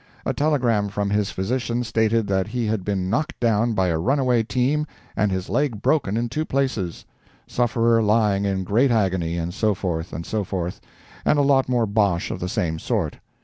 A telegram from his physician stated that he had been knocked down by a runaway team and his leg broken in two places—sufferer lying in great agony, and so forth, and so forth, and a lot more bosh of the same sort.